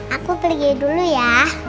aku pergi dulu ya